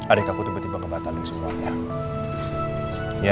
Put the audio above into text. adik aku tiba tiba kebatalin semuanya